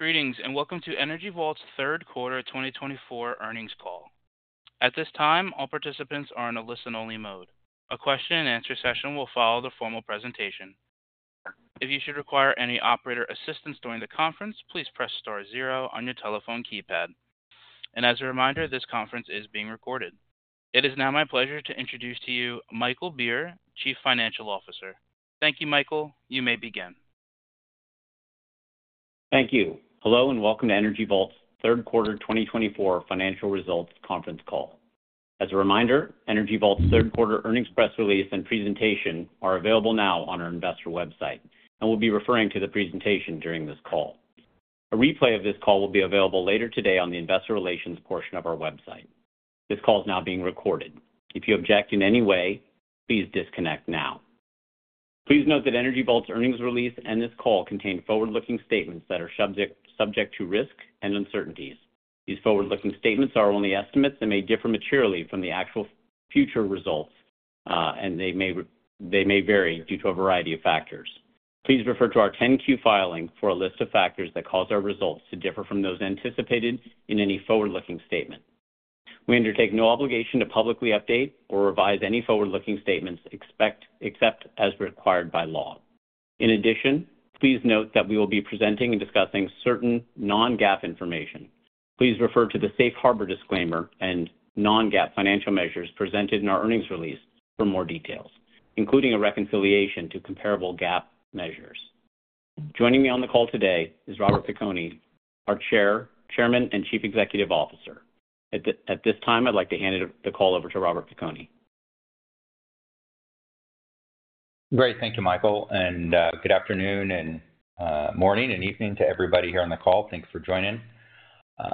Greetings and welcome to Energy Vault's third quarter 2024 earnings call. At this time, all participants are in a listen-only mode. A Q&A session will follow the formal presentation. If you should require any operator assistance during the conference, please press star zero on your telephone keypad. And as a reminder, this conference is being recorded. It is now my pleasure to introduce to you Michael Beer, Chief Financial Officer. Thank you, Michael. You may begin. Thank you. Hello and welcome to Energy Vault's third quarter 2024 financial results conference call. As a reminder, Energy Vault's third quarter earnings press release and presentation are available now on our investor website, and we'll be referring to the presentation during this call. A replay of this call will be available later today on the investor relations portion of our website. This call is now being recorded. If you object in any way, please disconnect now. Please note that Energy Vault's earnings release and this call contain forward-looking statements that are subject to risk and uncertainties. These forward-looking statements are only estimates and may differ materially from the actual future results, and they may vary due to a variety of factors. Please refer to our 10-Q filing for a list of factors that cause our results to differ from those anticipated in any forward-looking statement. We undertake no obligation to publicly update or revise any forward-looking statements except as required by law. In addition, please note that we will be presenting and discussing certain non-GAAP information. Please refer to the safe harbor disclaimer and non-GAAP financial measures presented in our earnings release for more details, including a reconciliation to comparable GAAP measures. Joining me on the call today is Robert Piconi, our Chair, Chairman, and Chief Executive Officer. At this time, I'd like to hand the call over to Robert Piconi. Great. Thank you, Michael. And good afternoon and morning and evening to everybody here on the call. Thanks for joining.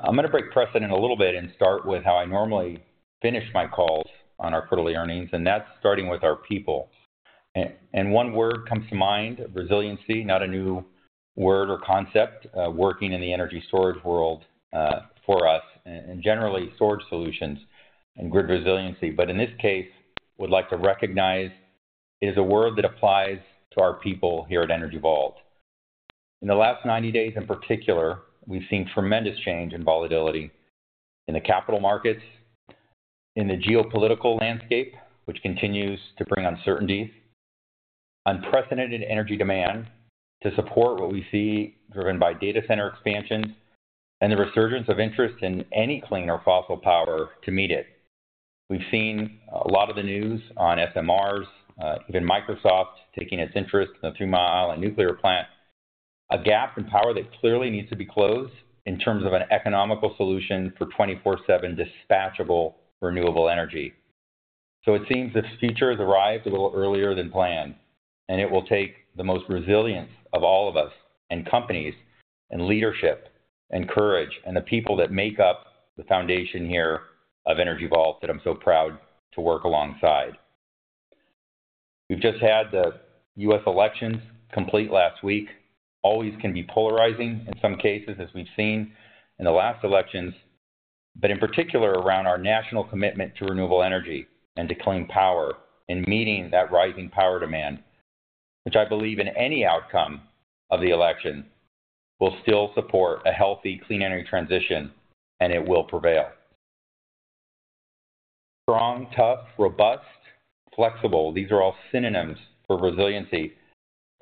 I'm going to break precedent a little bit and start with how I normally finish my calls on our quarterly earnings, and that's starting with our people. And one word comes to mind, resiliency, not a new word or concept, working in the energy storage world for us, and generally storage solutions and grid resiliency. But in this case, I would like to recognize it is a word that applies to our people here at Energy Vault. In the last 90 days, in particular, we've seen tremendous change in volatility in the capital markets, in the geopolitical landscape, which continues to bring uncertainties, unprecedented energy demand to support what we see driven by data center expansions, and the resurgence of interest in any clean or fossil power to meet it. We've seen a lot of the news on SMRs, even Microsoft taking its interest in the Three Mile Island nuclear plant, a gap in power that clearly needs to be closed in terms of an economical solution for 24/7 dispatchable renewable energy. So it seems this future has arrived a little earlier than planned, and it will take the most resilience of all of us and companies and leadership and courage and the people that make up the foundation here of Energy Vault that I'm so proud to work alongside. We've just had the U.S. elections complete last week. Always can be polarizing in some cases, as we've seen in the last elections, but in particular around our national commitment to renewable energy and to clean power and meeting that rising power demand, which I believe in any outcome of the election will still support a healthy clean energy transition, and it will prevail. Strong, tough, robust, flexible. These are all synonyms for resiliency.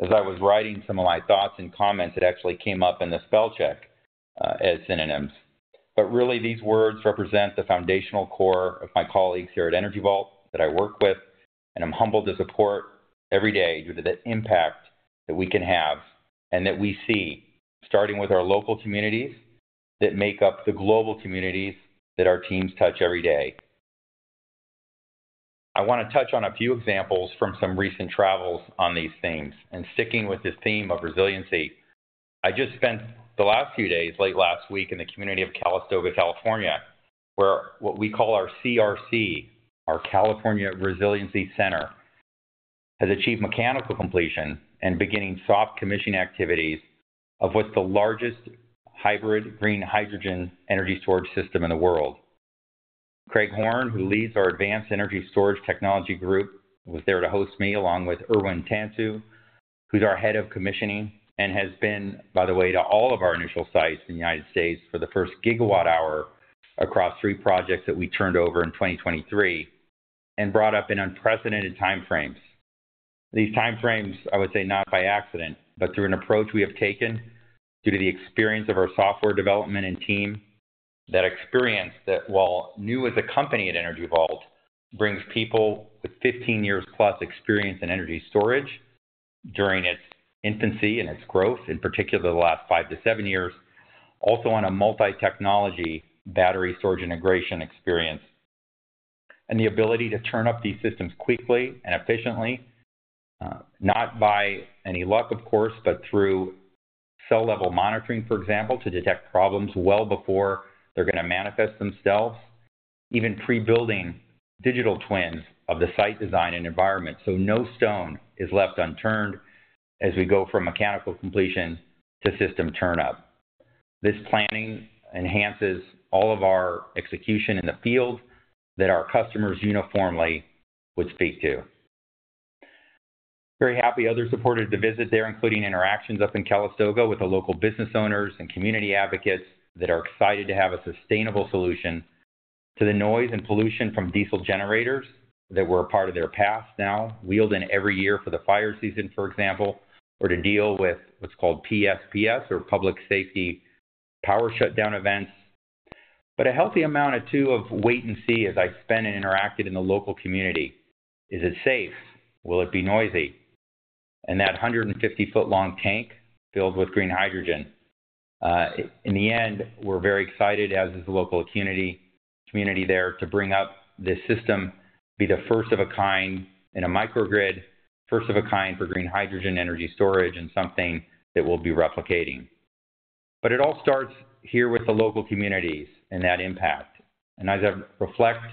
As I was writing some of my thoughts and comments, it actually came up in the spell check as synonyms. But really, these words represent the foundational core of my colleagues here at Energy Vault that I work with, and I'm humbled to support every day due to the impact that we can have and that we see, starting with our local communities that make up the global communities that our teams touch every day. I want to touch on a few examples from some recent travels on these themes. Sticking with this theme of resiliency, I just spent the last few days, late last week, in the community of Calistoga, California, where what we call our CRC, our California Resiliency Center, has achieved mechanical completion and beginning soft commissioning activities of what's the largest hybrid green hydrogen energy storage system in the world. Craig Horne, who leads our advanced energy storage technology group, was there to host me along with Irwan Tantu, who's our head of commissioning and has been, by the way, to all of our initial sites in the United States for the first gigawatt hour across three projects that we turned over in 2023 and brought up in unprecedented time frames. These time frames, I would say, not by accident, but through an approach we have taken due to the experience of our software development and team. That experience that, while new as a company at Energy Vault, brings people with 15 years-plus experience in energy storage during its infancy and its growth, in particular the last five to seven years, also on a multi-technology battery storage integration experience, and the ability to turn up these systems quickly and efficiently, not by any luck, of course, but through cell-level monitoring, for example, to detect problems well before they're going to manifest themselves, even pre-building digital twins of the site design and environment. So no stone is left unturned as we go from mechanical completion to system turn-up. This planning enhances all of our execution in the field that our customers uniformly would speak to. Very happy others supported the visit there, including interactions up in Calistoga with the local business owners and community advocates that are excited to have a sustainable solution to the noise and pollution from diesel generators that were a part of their past now, wheeled in every year for the fire season, for example, or to deal with what's called PSPS or public safety power shutoff events. But a healthy amount to wait and see as I spent and interacted in the local community. Is it safe? Will it be noisy? And that 150-foot-long tank filled with green hydrogen. In the end, we're very excited, as is the local community there, to bring up this system, be the first of a kind in a microgrid, first of a kind for green hydrogen energy storage and something that we'll be replicating. But it all starts here with the local communities and that impact. And as I reflect,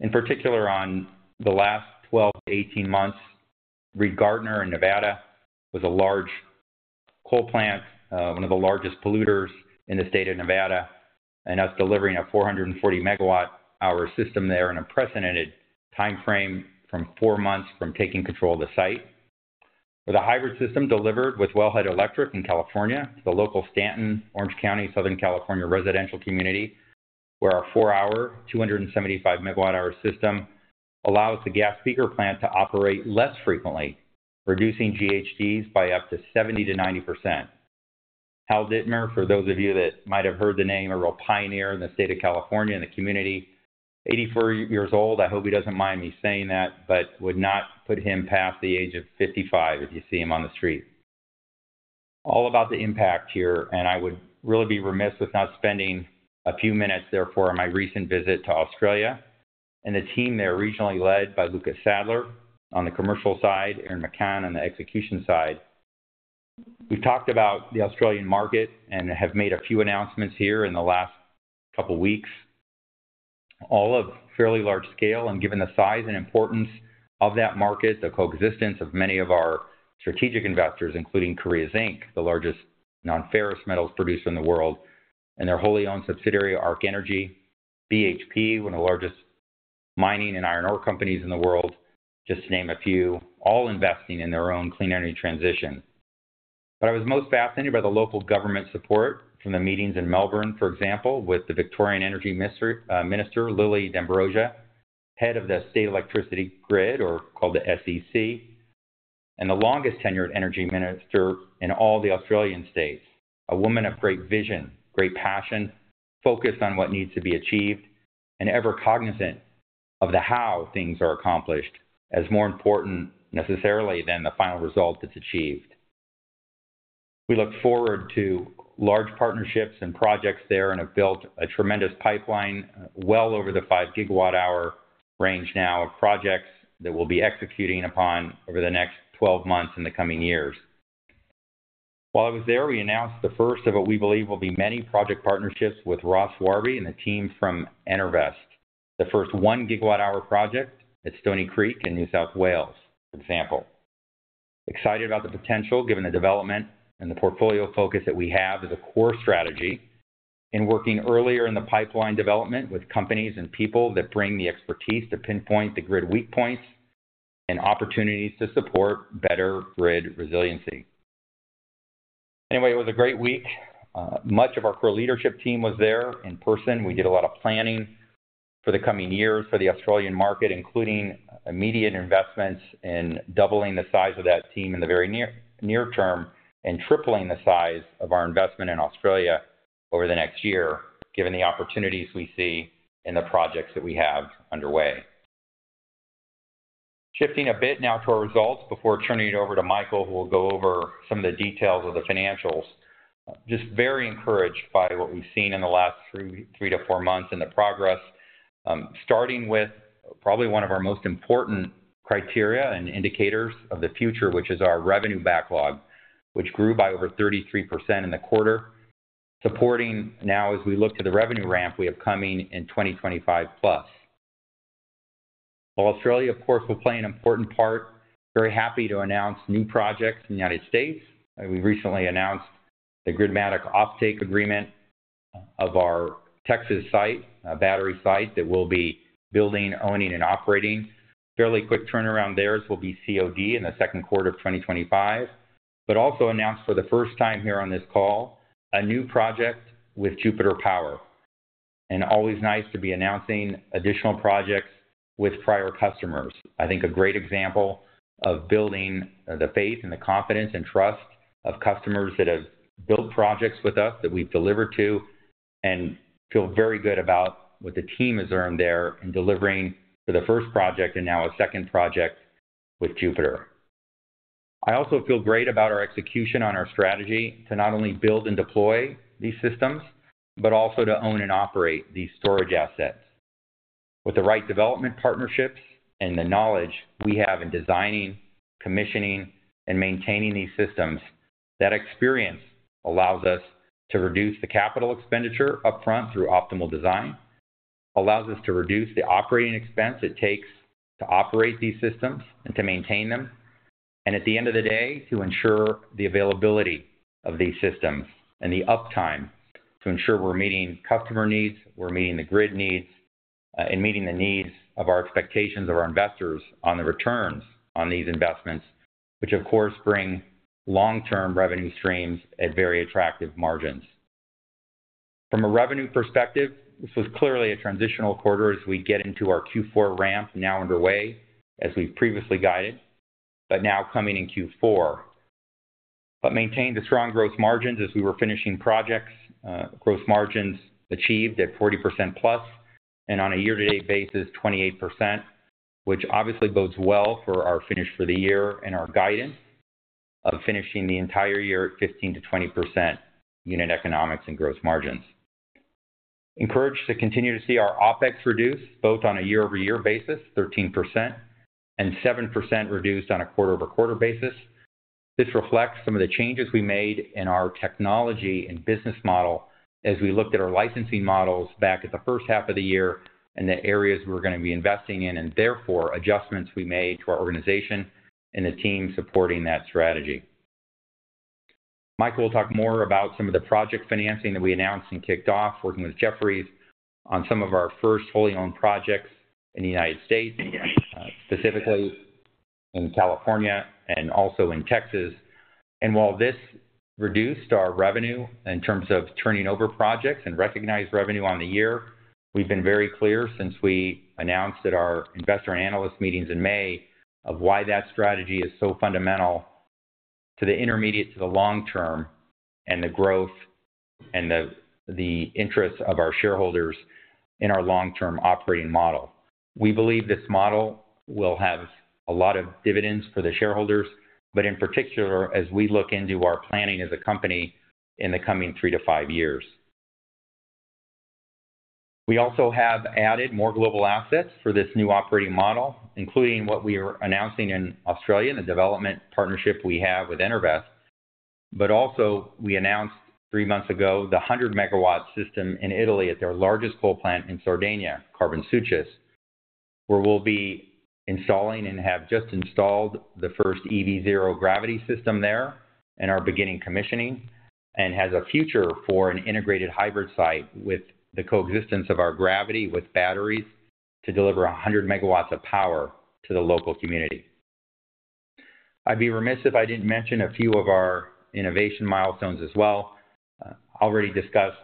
in particular on the last 12-18 months, Reid Gardner in Nevada was a large coal plant, one of the largest polluters in the state of Nevada, and us delivering a 440 MWh system there in an unprecedented time frame from four months from taking control of the site. With a hybrid system delivered with Wellhead Electric in California, the local Stanton, Orange County, Southern California residential community, where our four-hour, 275 MWh system allows the gas peaker plant to operate less frequently, reducing GHGs by up to 70%-90%. Hal Dittmer, for those of you that might have heard the name, a real pioneer in the state of California and the community. 84 years old. I hope he doesn't mind me saying that, but would not put him past the age of 55 if you see him on the street. All about the impact here, and I would really be remiss with not spending a few minutes therefore on my recent visit to Australia and the team there originally led by Lucas Sadler on the commercial side, Aaron McCann on the execution side. We've talked about the Australian market and have made a few announcements here in the last couple of weeks, all of fairly large scale. Given the size and importance of that market, the coexistence of many of our strategic investors, including Korea Zinc, the largest non-ferrous metals producer in the world, and their wholly owned subsidiary, Ark Energy, BHP, one of the largest mining and iron ore companies in the world, just to name a few, all investing in their own clean energy transition. But I was most fascinated by the local government support from the meetings in Melbourne, for example, with the Victorian Energy Minister, Lily D'Ambrosio, head of the State Electricity Commission, or called the SEC, and the longest tenured energy minister in all the Australian states, a woman of great vision, great passion, focused on what needs to be achieved, and ever cognizant of the how things are accomplished as more important necessarily than the final result that's achieved. We look forward to large partnerships and projects there and have built a tremendous pipeline well over the 5 GWh range now of projects that we'll be executing upon over the next 12 months and the coming years. While I was there, we announced the first of what we believe will be many project partnerships with Ross Warby and the team from Enervest, the first 1 GWh project at Stony Creek in New South Wales, for example. Excited about the potential given the development and the portfolio focus that we have as a core strategy in working earlier in the pipeline development with companies and people that bring the expertise to pinpoint the grid weak points and opportunities to support better grid resiliency. Anyway, it was a great week. Much of our core leadership team was there in person. We did a lot of planning for the coming years for the Australian market, including immediate investments in doubling the size of that team in the very near term and tripling the size of our investment in Australia over the next year, given the opportunities we see in the projects that we have underway. Shifting a bit now to our results before turning it over to Michael, who will go over some of the details of the financials. Just very encouraged by what we've seen in the last three to four months and the progress, starting with probably one of our most important criteria and indicators of the future, which is our revenue backlog, which grew by over 33% in the quarter, supporting now as we look to the revenue ramp we have coming in 2025 plus. While Australia, of course, will play an important part, very happy to announce new projects in the United States. We recently announced the Gridmatic offtake agreement of our Texas site, a battery site that we'll be building, owning, and operating. Fairly quick turnaround there will be COD in the second quarter of 2025, but also announced for the first time here on this call a new project with Jupiter Power, and always nice to be announcing additional projects with prior customers. I think a great example of building the faith and the confidence and trust of customers that have built projects with us that we've delivered to and feel very good about what the team has earned there in delivering for the first project and now a second project with Jupiter. I also feel great about our execution on our strategy to not only build and deploy these systems, but also to own and operate these storage assets. With the right development partnerships and the knowledge we have in designing, commissioning, and maintaining these systems, that experience allows us to reduce the capital expenditure upfront through optimal design, allows us to reduce the operating expense it takes to operate these systems and to maintain them, and at the end of the day, to ensure the availability of these systems and the uptime to ensure we're meeting customer needs, we're meeting the grid needs, and meeting the needs of our expectations of our investors on the returns on these investments, which of course bring long-term revenue streams at very attractive margins. From a revenue perspective, this was clearly a transitional quarter as we get into our Q4 ramp now underway, as we've previously guided, but now coming in Q4, but maintained the strong gross margins as we were finishing projects, gross margins achieved at 40% plus, and on a year-to-date basis, 28%, which obviously bodes well for our finish for the year and our guidance of finishing the entire year at 15%-20% unit economics and gross margins. Encouraged to continue to see our OpEx reduce both on a year-over-year basis, 13%, and 7% reduced on a quarter-over-quarter basis. This reflects some of the changes we made in our technology and business model as we looked at our licensing models back at the first half of the year and the areas we were going to be investing in, and therefore adjustments we made to our organization and the team supporting that strategy. Michael will talk more about some of the project financing that we announced and kicked off working with Jefferies on some of our first wholly owned projects in the United States, specifically in California and also in Texas. While this reduced our revenue in terms of turning over projects and recognized revenue on the year, we've been very clear since we announced at our investor analyst meetings in May of why that strategy is so fundamental to the intermediate to the long term and the growth and the interests of our shareholders in our long-term operating model. We believe this model will have a lot of dividends for the shareholders, but in particular as we look into our planning as a company in the coming three to five years. We also have added more global assets for this new operating model, including what we are announcing in Australia, the development partnership we have with Enervest, but also we announced three months ago the 100 MW system in Italy at their largest coal plant in Sardinia, Carbosulcis, where we'll be installing and have just installed the first EV0 gravity system there and are beginning commissioning and has a future for an integrated hybrid site with the coexistence of our gravity with batteries to deliver 100 MW of power to the local community. I'd be remiss if I didn't mention a few of our innovation milestones as well. Already discussed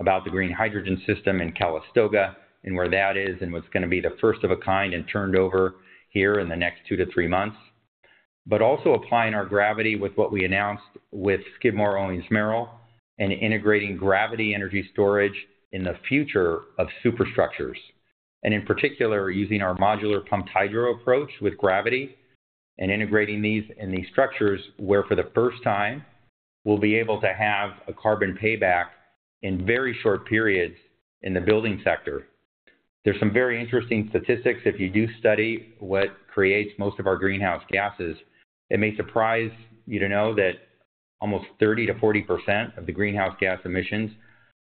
about the green hydrogen system in Calistoga and where that is and what's going to be the first of a kind and turned over here in the next two to three months, but also applying our gravity with what we announced with Skidmore, Owings & Merrill, and integrating gravity energy storage in the future of superstructures, and in particular, using our modular pumped hydro approach with gravity and integrating these in these structures where for the first time we'll be able to have a carbon payback in very short periods in the building sector. There's some very interesting statistics. If you do study what creates most of our greenhouse gases, it may surprise you to know that almost 30%-40% of the greenhouse gas emissions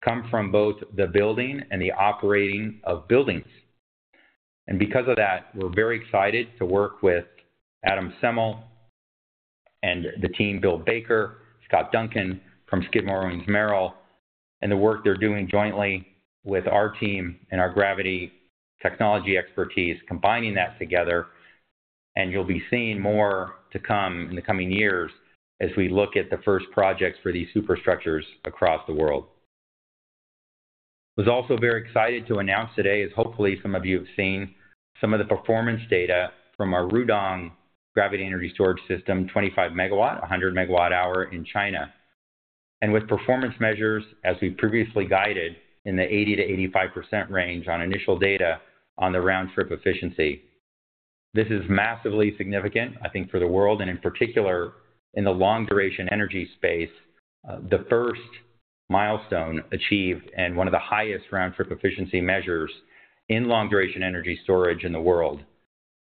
come from both the building and the operating of buildings. And because of that, we're very excited to work with Adam Semel and the team, Bill Baker, Scott Duncan from Skidmore, Owings & Merrill, and the work they're doing jointly with our team and our gravity technology expertise, combining that together. And you'll be seeing more to come in the coming years as we look at the first projects for these superstructures across the world. I was also very excited to announce today, as hopefully some of you have seen, some of the performance data from our Rudong gravity energy storage system, 25 MW, 100 MW hour in China, and with performance measures as we previously guided in the 80%-85% range on initial data on the round trip efficiency. This is massively significant, I think, for the world and in particular in the long-duration energy space, the first milestone achieved and one of the highest round trip efficiency measures in long-duration energy storage in the world.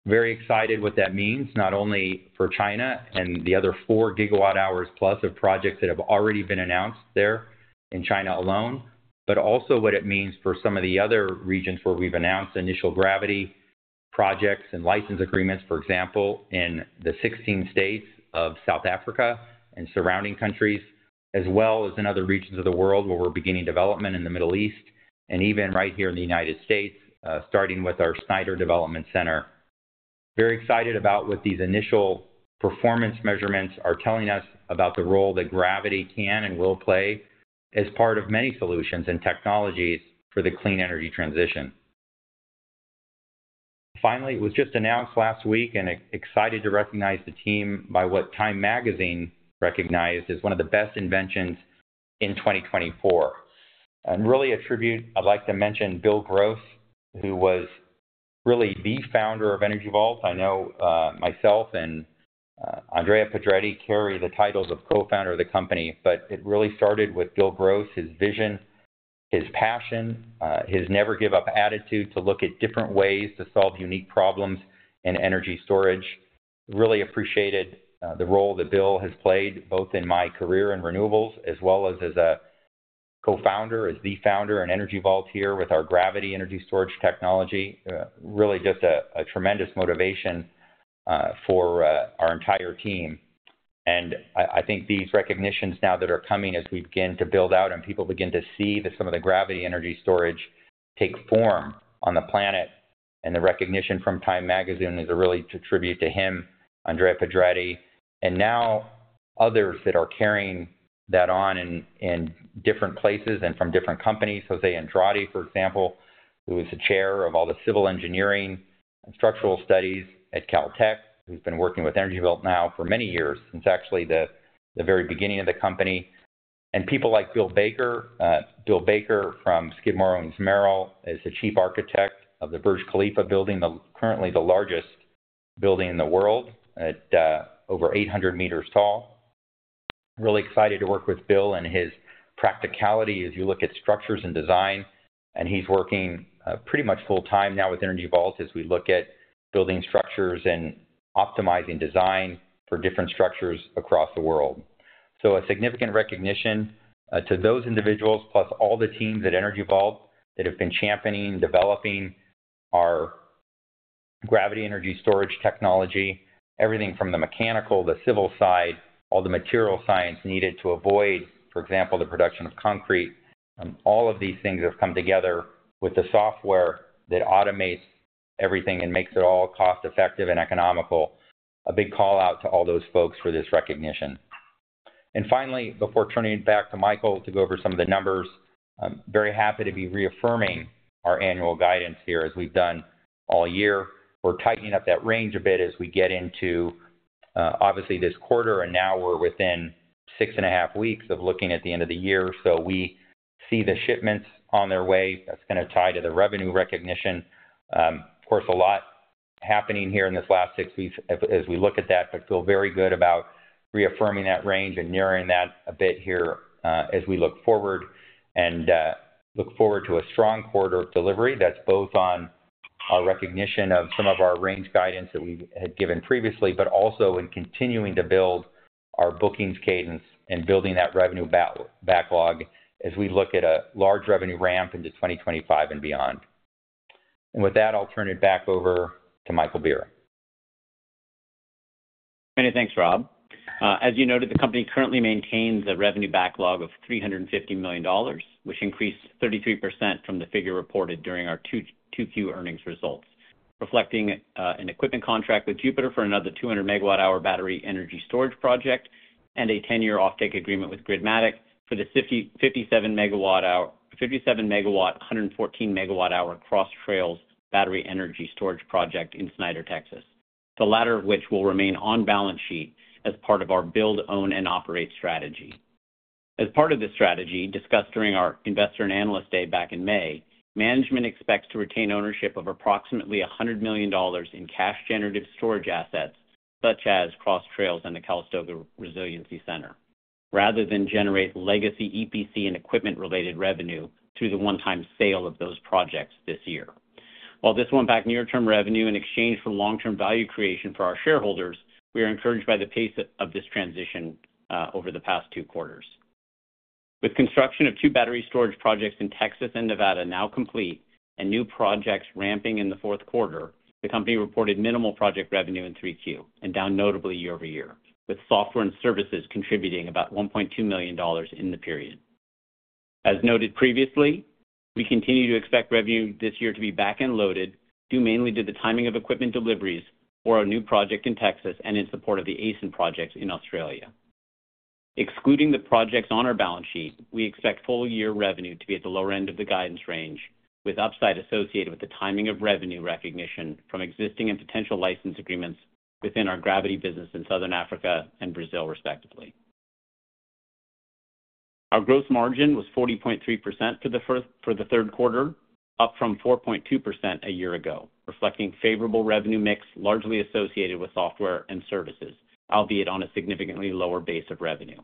Very excited what that means, not only for China and the other four gigawatt hours plus of projects that have already been announced there in China alone, but also what it means for some of the other regions where we've announced initial gravity projects and license agreements, for example, in the 16 states of South Africa and surrounding countries, as well as in other regions of the world where we're beginning development in the Middle East and even right here in the United States, starting with our Snyder Development Center. Very excited about what these initial performance measurements are telling us about the role that gravity can and will play as part of many solutions and technologies for the clean energy transition. Finally, it was just announced last week, and excited to recognize the team by what Time Magazine recognized as one of the best inventions in 2024, and really attribute. I'd like to mention Bill Gross, who was really the founder of Energy Vault. I know myself and Andrea Pedretti carry the titles of co-founder of the company, but it really started with Bill Gross, his vision, his passion, his never-give-up attitude to look at different ways to solve unique problems in energy storage. really appreciated the role that Bill has played both in my career and renewables as well as as a co-founder, as the founder and Energy Vault here with our gravity energy storage technology, really just a tremendous motivation for our entire team. I think these recognitions now that are coming as we begin to build out and people begin to see that some of the gravity energy storage take form on the planet, and the recognition from Time Magazine is a really tribute to him, Andrea Pedretti, and now others that are carrying that on in different places and from different companies. Jose Andrade, for example, who was the chair of all the civil engineering and structural studies at Caltech, who's been working with Energy Vault now for many years. It's actually the very beginning of the company. People like Bill Baker, Bill Baker from Skidmore, Owings & Merrill, is the chief architect of the Burj Khalifa building, currently the largest building in the world at over 800 meters tall. Really excited to work with Bill and his practicality as you look at structures and design, and he's working pretty much full-time now with Energy Vault as we look at building structures and optimizing design for different structures across the world. So a significant recognition to those individuals plus all the teams at Energy Vault that have been championing and developing our gravity energy storage technology, everything from the mechanical, the civil side, all the material science needed to avoid, for example, the production of concrete. All of these things have come together with the software that automates everything and makes it all cost-effective and economical. A big call out to all those folks for this recognition. And finally, before turning it back to Michael to go over some of the numbers, I'm very happy to be reaffirming our annual guidance here as we've done all year. We're tightening up that range a bit as we get into obviously this quarter, and now we're within six and a half weeks of looking at the end of the year, so we see the shipments on their way. That's going to tie to the revenue recognition. Of course, a lot happening here in this last six weeks as we look at that, but feel very good about reaffirming that range and narrowing that a bit here as we look forward and look forward to a strong quarter of delivery that's both on our recognition of some of our range guidance that we had given previously, but also in continuing to build our bookings cadence and building that revenue backlog as we look at a large revenue ramp into 2025 and beyond, and with that, I'll turn it back over to Michael Beer. Many thanks, Rob. As you noted, the company currently maintains a revenue backlog of $350 million, which increased 33% from the figure reported during our Q2 earnings results, reflecting an equipment contract with Jupiter for another 200 MWh battery energy storage project and a 10-year offtake agreement with Gridmatic for the 57 MW, 114 MWh Cross Trails battery energy storage project in Snyder, Texas, the latter of which will remain on balance sheet as part of our build, own, and operate strategy. As part of the strategy discussed during our Investor and Analyst Day back in May, management expects to retain ownership of approximately $100 million in cash-generative storage assets such as Cross Trails and the Calistoga Resiliency Center, rather than generate legacy EPC and equipment-related revenue through the one-time sale of those projects this year. While this won't back near-term revenue in exchange for long-term value creation for our shareholders, we are encouraged by the pace of this transition over the past two quarters. With construction of two battery storage projects in Texas and Nevada now complete and new projects ramping in the fourth quarter, the company reported minimal project revenue in Q3 and down notably year-over-year, with software and services contributing about $1.2 million in the period. As noted previously, we continue to expect revenue this year to be back-loaded due mainly to the timing of equipment deliveries for a new project in Texas and in support of the ACEN projects in Australia. Excluding the projects on our balance sheet, we expect full-year revenue to be at the lower end of the guidance range, with upside associated with the timing of revenue recognition from existing and potential license agreements within our gravity business in Southern Africa and Brazil, respectively. Our gross margin was 40.3% for the third quarter, up from 4.2% a year ago, reflecting favorable revenue mix largely associated with software and services, albeit on a significantly lower base of revenue.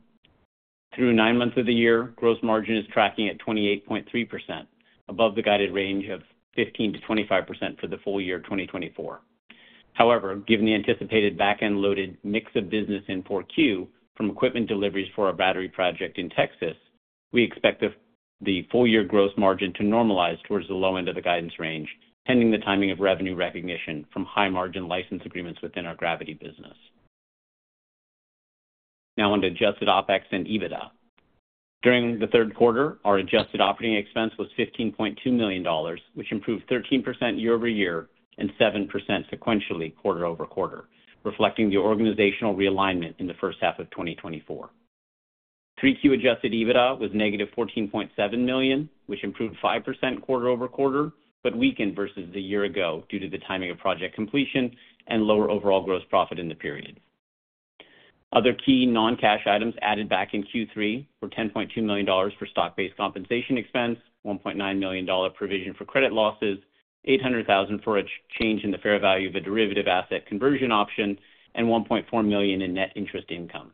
Through nine months of the year, gross margin is tracking at 28.3%, above the guided range of 15%-25% for the full year 2024. However, given the anticipated back-loaded mix of business in Q4 from equipment deliveries for a battery project in Texas, we expect the full-year gross margin to normalize towards the low end of the guidance range, pending the timing of revenue recognition from high-margin license agreements within our gravity business. Now on to adjusted OpEx and EBITDA. During the third quarter, our adjusted operating expense was $15.2 million, which improved 13% year-over-year and 7% sequentially quarter-over-quarter, reflecting the organizational realignment in the first half of 2024. Q3 adjusted EBITDA was negative $14.7 million, which improved 5% quarter-over-quarter but weakened versus the year ago due to the timing of project completion and lower overall gross profit in the period. Other key non-cash items added back in Q3 were $10.2 million for stock-based compensation expense, $1.9 million provision for credit losses, $800,000 for a change in the fair value of a derivative asset conversion option, and $1.4 million in net interest income.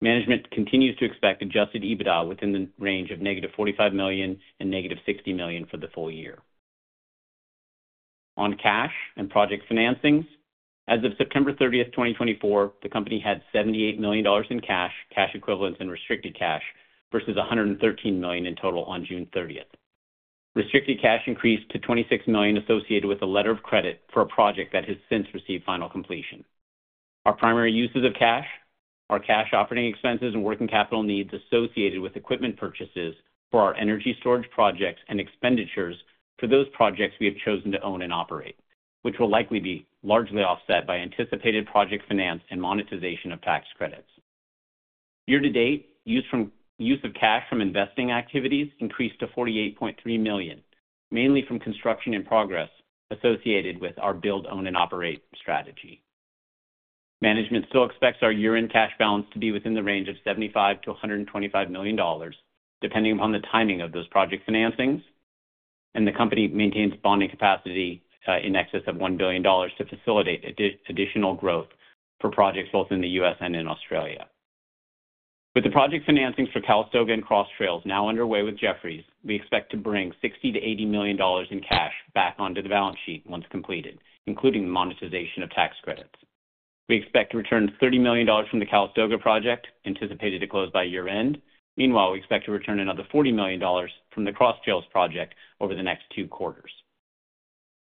Management continues to expect adjusted EBITDA within the range of negative $45 million and negative $60 million for the full year. On cash and project financings, as of September 30th, 2024, the company had $78 million in cash, cash equivalents, and restricted cash versus $113 million in total on June 30th. Restricted cash increased to $26 million associated with a letter of credit for a project that has since received final completion. Our primary uses of cash are cash operating expenses and working capital needs associated with equipment purchases for our energy storage projects and expenditures for those projects we have chosen to own and operate, which will likely be largely offset by anticipated project finance and monetization of tax credits. Year-to-date, use of cash from investing activities increased to $48.3 million, mainly from construction in progress associated with our build, own, and operate strategy. Management still expects our year-end cash balance to be within the range of $75 million-$125 million, depending upon the timing of those project financings, and the company maintains bonding capacity in excess of $1 billion to facilitate additional growth for projects both in the U.S. and in Australia. With the project financings for Calistoga and Cross Trails now underway with Jefferies, we expect to bring $60 million-$80 million in cash back onto the balance sheet once completed, including the monetization of tax credits. We expect to return $30 million from the Calistoga project, anticipated to close by year-end. Meanwhile, we expect to return another $40 million from the Cross Trails project over the next two quarters.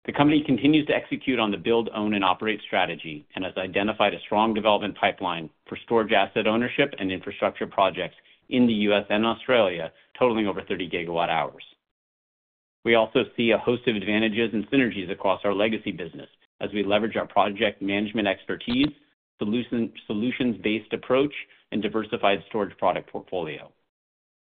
The company continues to execute on the build, own, and operate strategy and has identified a strong development pipeline for storage asset ownership and infrastructure projects in the U.S. and Australia, totaling over 30 GWh. We also see a host of advantages and synergies across our legacy business as we leverage our project management expertise, solutions-based approach, and diversified storage product portfolio.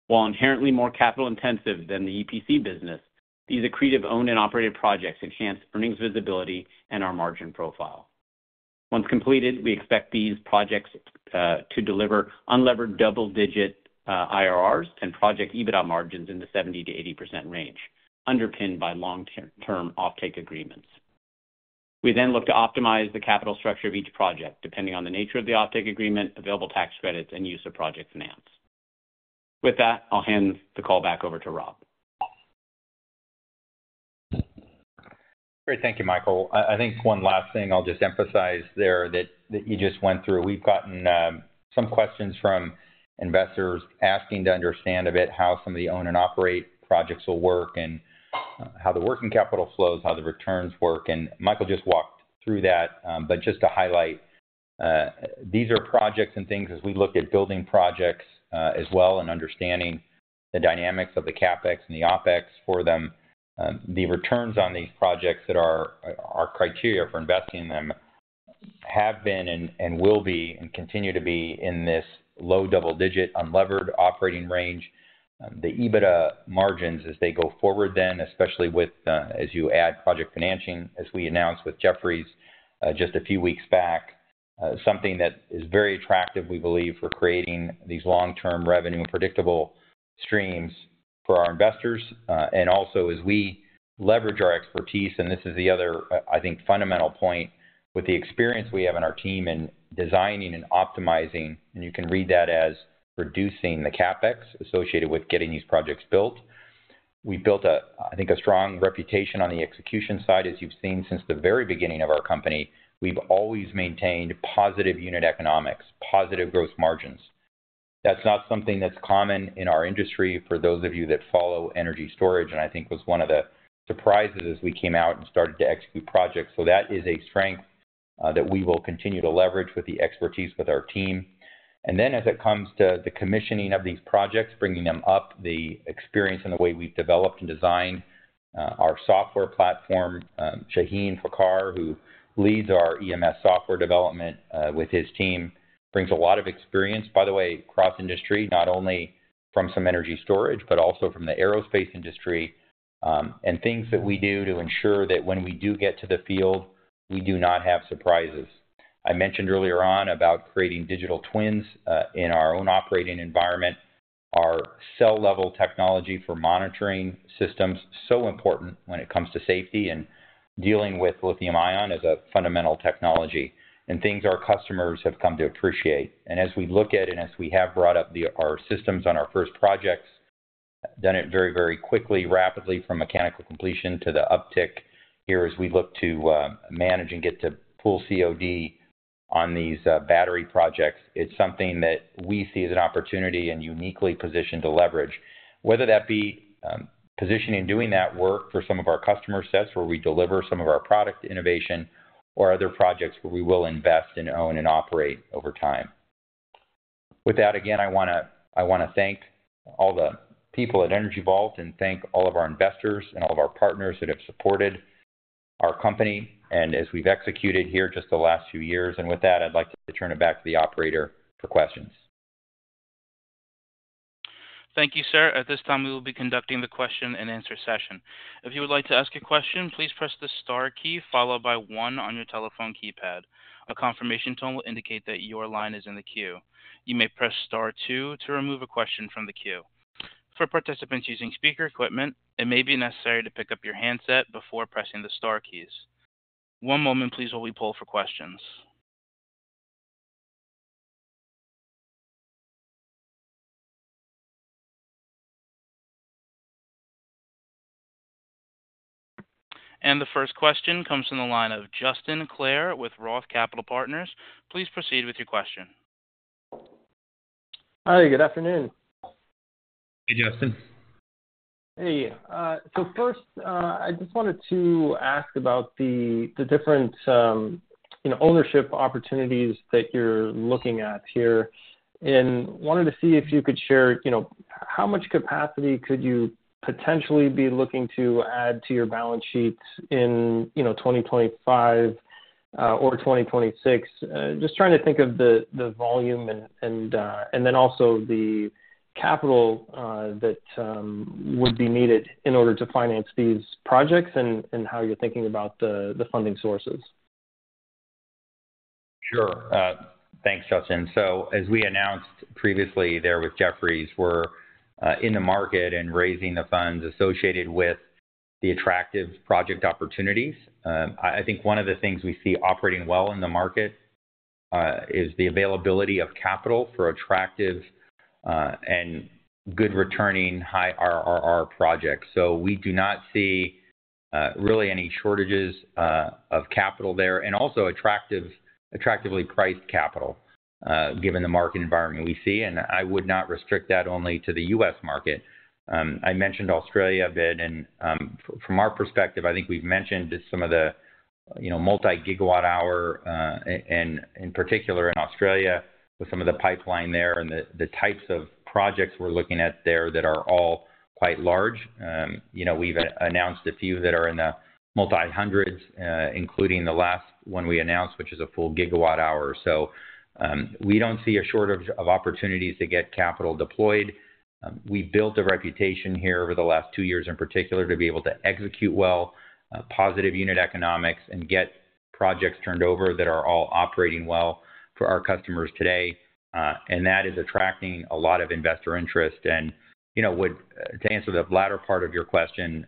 While inherently more capital-intensive than the EPC business, these accretive owned and operated projects enhance earnings visibility and our margin profile. Once completed, we expect these projects to deliver unlevered double-digit IRRs and project EBITDA margins in the 70%-80% range, underpinned by long-term offtake agreements. We then look to optimize the capital structure of each project, depending on the nature of the offtake agreement, available tax credits, and use of project finance. With that, I'll hand the call back over to Rob. Great. Thank you, Michael. I think one last thing I'll just emphasize there that you just went through. We've gotten some questions from investors asking to understand a bit how some of the owned and operated projects will work and how the working capital flows, how the returns work. Michael just walked through that, but just to highlight, these are projects and things as we look at building projects as well and understanding the dynamics of the CapEx and the OpEx for them. The returns on these projects that are our criteria for investing in them have been and will be and continue to be in this low double-digit unlevered operating range. The EBITDA margins as they go forward, then especially as you add project financing, as we announced with Jefferies just a few weeks back, something that is very attractive, we believe, for creating these long-term revenue and predictable streams for our investors. Also, as we leverage our expertise, and this is the other, I think, fundamental point with the experience we have in our team in designing and optimizing, and you can read that as reducing the CapEx associated with getting these projects built. We've built, I think, a strong reputation on the execution side, as you've seen since the very beginning of our company. We've always maintained positive unit economics, positive gross margins. That's not something that's common in our industry for those of you that follow energy storage, and I think was one of the surprises as we came out and started to execute projects, so that is a strength that we will continue to leverage the expertise with our team. Then, as it comes to the commissioning of these projects, bringing them up, the experience in the way we've developed and designed our software platform, Shahin Fakhari, who leads our EMS software development with his team, brings a lot of experience, by the way, cross-industry, not only from some energy storage, but also from the aerospace industry and things that we do to ensure that when we do get to the field, we do not have surprises. I mentioned earlier on about creating digital twins in our own operating environment, our cell-level technology for monitoring systems, so important when it comes to safety and dealing with lithium-ion as a fundamental technology and things our customers have come to appreciate. And as we look at, and as we have brought up our systems on our first projects, done it very, very quickly, rapidly from mechanical completion to the uptick here as we look to manage and get to full COD on these battery projects, it's something that we see as an opportunity and uniquely positioned to leverage, whether that be positioning and doing that work for some of our customer sets where we deliver some of our product innovation or other projects where we will invest and own and operate over time. With that, again, I want to thank all the people at Energy Vault and thank all of our investors and all of our partners that have supported our company and as we've executed here just the last few years. And with that, I'd like to turn it back to the operator for questions. Thank you, sir. At this time, we will be conducting the question-and-answer session. If you would like to ask a question, please press the star key followed by one on your telephone keypad. A confirmation tone will indicate that your line is in the queue. You may press star two to remove a question from the queue. For participants using speaker equipment, it may be necessary to pick up your handset before pressing the star keys. One moment, please, while we pull for questions, and the first question comes from the line of Justin Clare with Roth Capital Partners. Please proceed with your question. Hi. Good afternoon. Hey, Justin. Hey. So, first, I just wanted to ask about the different ownership opportunities that you're looking at here and wanted to see if you could share how much capacity could you potentially be looking to add to your balance sheet in 2025 or 2026, just trying to think of the volume and then also the capital that would be needed in order to finance these projects and how you're thinking about the funding sources? Sure. Thanks, Justin. So as we announced previously there with Jefferies, we're in the market and raising the funds associated with the attractive project opportunities. I think one of the things we see operating well in the market is the availability of capital for attractive and good-returning high IRR projects. So we do not see really any shortages of capital there and also attractively priced capital, given the market environment we see. And I would not restrict that only to the U.S. market. I mentioned Australia a bit. And from our perspective, I think we've mentioned some of the multi-gigawatt-hour, and in particular in Australia, with some of the pipeline there and the types of projects we're looking at there that are all quite large. We've announced a few that are in the multi-hundreds, including the last one we announced, which is a full gigawatt-hour. So we don't see a shortage of opportunities to get capital deployed. We've built a reputation here over the last two years in particular to be able to execute well, positive unit economics, and get projects turned over that are all operating well for our customers today. And that is attracting a lot of investor interest. And to answer the latter part of your question,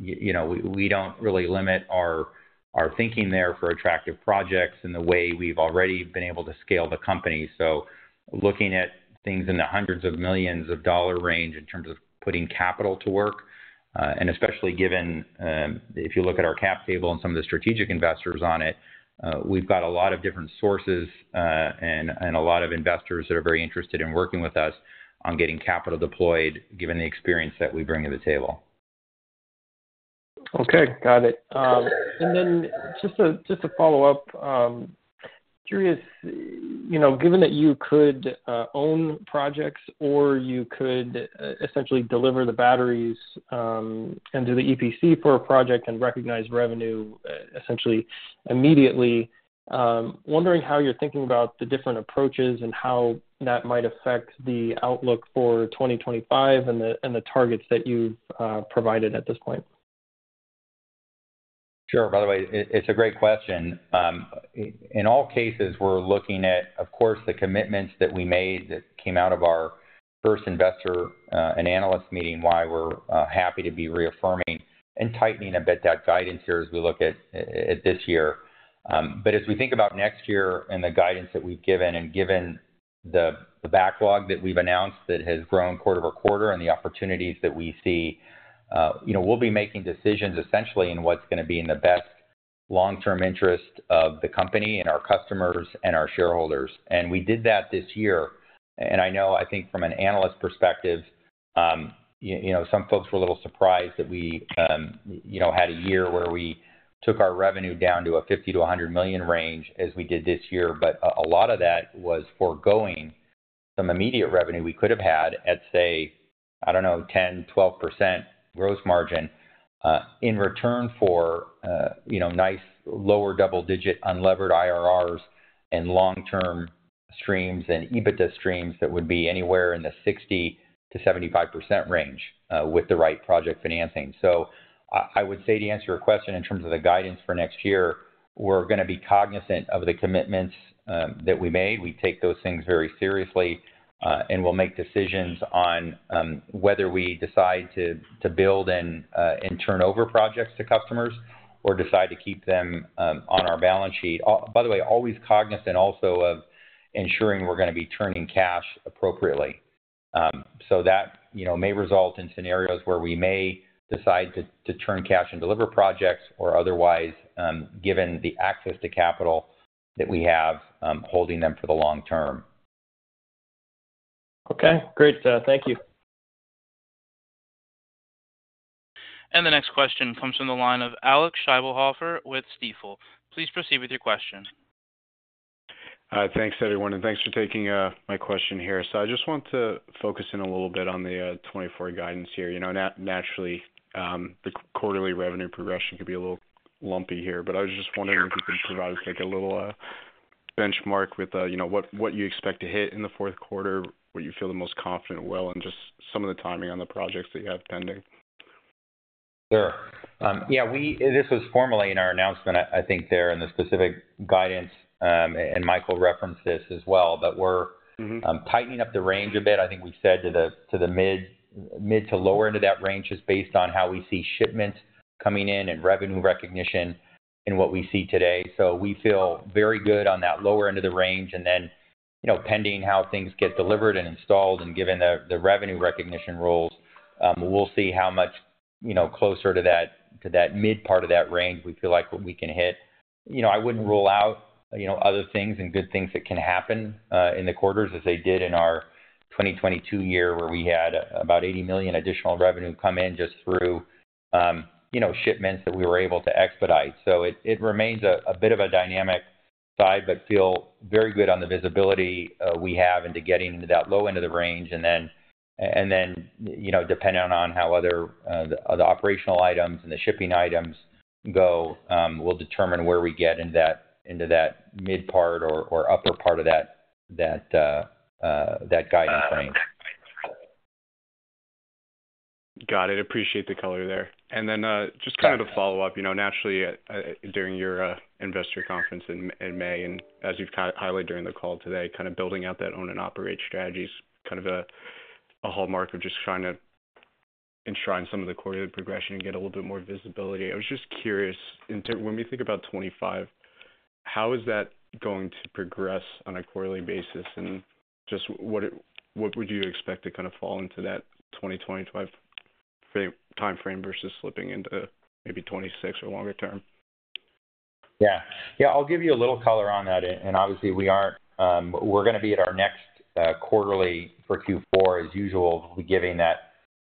we don't really limit our thinking there for attractive projects in the way we've already been able to scale the company. So, looking at things in the hundreds of millions of dollars range in terms of putting capital to work, and especially given if you look at our cap table and some of the strategic investors on it, we've got a lot of different sources and a lot of investors that are very interested in working with us on getting capital deployed, given the experience that we bring to the table. Okay. Got it. And then just to follow up, curious, given that you could own projects or you could essentially deliver the batteries and do the EPC for a project and recognize revenue essentially immediately, wondering how you're thinking about the different approaches and how that might affect the outlook for 2025 and the targets that you've provided at this point? Sure. By the way, it's a great question. In all cases, we're looking at, of course, the commitments that we made that came out of our first investor and analyst meeting, why we're happy to be reaffirming and tightening a bit that guidance here as we look at this year. But as we think about next year and the guidance that we've given, and given the backlog that we've announced that has grown quarter over quarter and the opportunities that we see, we'll be making decisions essentially in what's going to be in the best long-term interest of the company and our customers and our shareholders. And we did that this year. And I know, I think from an analyst perspective, some folks were a little surprised that we had a year where we took our revenue down to a $50 million-$100 million range as we did this year. but a lot of that was forgoing some immediate revenue we could have had at, say, I don't know, 10%-12% gross margin in return for nice lower double-digit unlevered IRRs and long-term streams and EBITDA streams that would be anywhere in the 60%-75% range with the right project financing. So I would say to answer your question in terms of the guidance for next year, we're going to be cognizant of the commitments that we made. We take those things very seriously, and we'll make decisions on whether we decide to build and turn over projects to customers or decide to keep them on our balance sheet. By the way, always cognizant also of ensuring we're going to be turning cash appropriately. So that may result in scenarios where we may decide to turn cash and deliver projects or otherwise, given the access to capital that we have holding them for the long term. Okay. Great. Thank you. The next question comes from the line of Alec Scheibelhofer with Stifel. Please proceed with your question. Thanks, everyone, and thanks for taking my question here, so I just want to focus in a little bit on the 2024 guidance here. Naturally, the quarterly revenue progression could be a little lumpy here, but I was just wondering if you could provide us a little benchmark with what you expect to hit in the fourth quarter, what you feel the most confident well, and just some of the timing on the projects that you have pending. Sure. Yeah. This was formally in our announcement, I think, there in the specific guidance, and Michael referenced this as well, that we're tightening up the range a bit. I think we said to the mid to lower end of that range just based on how we see shipments coming in and revenue recognition and what we see today. So we feel very good on that lower end of the range. And then pending how things get delivered and installed and given the revenue recognition rules, we'll see how much closer to that mid part of that range we feel like we can hit. I wouldn't rule out other things and good things that can happen in the quarters as they did in our 2022 year where we had about $80 million additional revenue come in just through shipments that we were able to expedite. It remains a bit of a dynamic side, but we feel very good on the visibility we have into getting into that low end of the range. Then depending on how the operational items and the shipping items go, we'll determine where we get into that mid part or upper part of that guidance range. Got it. Appreciate the color there, and then just kind of to follow up, naturally, during your investor conference in May and as you've highlighted during the call today, kind of building out that own and operate strategy is kind of a hallmark of just trying to enshrine some of the quarterly progression and get a little bit more visibility. I was just curious, when we think about 2025, how is that going to progress on a quarterly basis? And just what would you expect to kind of fall into that 2025 timeframe versus slipping into maybe 2026 or longer term? Yeah. Yeah. I'll give you a little color on that. And obviously, we're going to be at our next quarterly for Q4, as usual, giving that